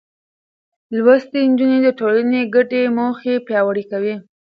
لوستې نجونې د ټولنې ګډې موخې پياوړې کوي.